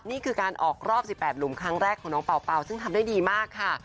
นี่คือการออกรอบ๑๘หลุมครั้งแรกของน้องเป่าซึ่งทำได้ดีมากค่ะ